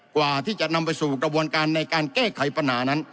กว่าที่จะนำไปสู่กระบวนการในการแก้ไขปัญหานั้น